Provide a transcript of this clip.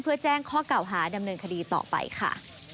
เพื่อแจ้งข้อเก่าหาดำเนินคดีต่อไปค่ะ